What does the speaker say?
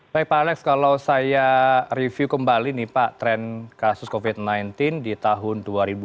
baik pak alex kalau saya review kembali nih pak tren kasus covid sembilan belas di tahun dua ribu dua puluh